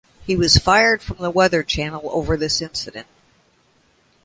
He was fired from the Weather Channel over this incident.